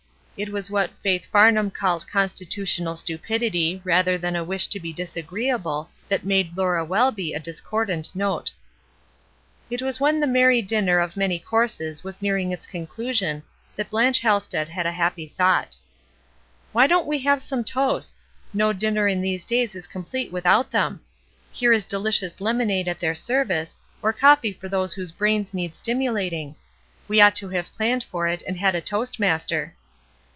It was what Faith Farnham called constitutional stupidity rather than a wish to be disagreeable that made Laura Welby a discordant note. 126 ESTER RIED'S NAMESAKE It was when the merry dinner of many courses was nearing its conclusion that Blanche Halsted had a happy thought. "Why don't we have some toasts ? No dinner in these days is complete without them. Here is delicious lemonade at their service, or coffee for those whose brains need stimulating. We ought to have planned for it and had a toast master."